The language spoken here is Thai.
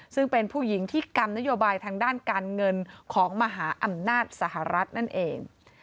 ซึ่งเป็นผู้หญิงที่กำนโยบายทางด้านการเงินของมหาอำนาจสหรัฐนั่นเอง